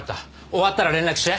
終わったら連絡して。